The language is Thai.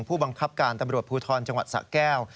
ผู้บังคับการตำรวจภูทรจังหวัดสะแก้ว